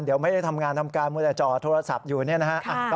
เดี๋ยวไม่ได้ทำงานทำการเมืองแต่จอดโทรศัพท์อยู่เนี่ยนะฮะ